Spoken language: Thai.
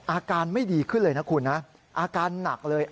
อาการไม่ดีขึ้นเลยนะคุณนะอาการหนักเลย